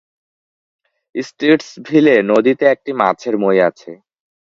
স্ট্রিটসভিলে নদীতে একটি মাছের মই আছে।